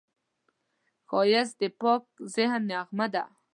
ښایست د پاک ذهن نغمه ده